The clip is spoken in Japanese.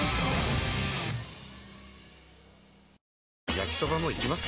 焼きソバもいきます？